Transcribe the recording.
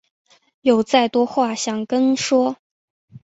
有再多话想跟说